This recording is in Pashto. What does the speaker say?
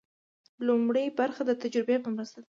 لومړۍ برخه د تجربې په مرسته ده.